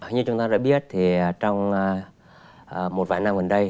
như chúng ta đã biết thì trong một vài năm gần đây